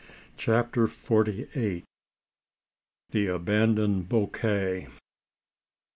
CHAPTER FORTY EIGHT. THE ABANDONED BOUQUET.